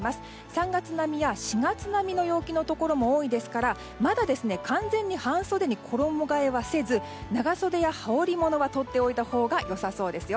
３月並みや４月並みの陽気のところも多いですからまだ完全に半袖に衣替えはせず長袖や羽織り物はとっておいたほうが良さそうですよ。